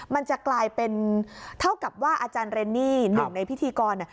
มันจะกลายเป็นเท่ากับว่าอาจารย์เรนนี่หนึ่งในพิธีกร